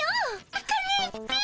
アカネエっピィ？